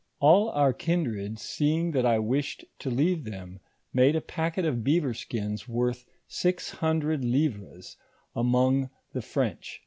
All our kindred seeing that I wished to leave them, made a packet of beaver skins worth six Imndred livres among the French.